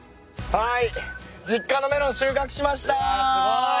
はい。